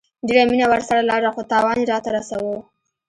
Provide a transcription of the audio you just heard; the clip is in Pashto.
ډيره مينه ورسره لرله خو تاوان يي راته رسوو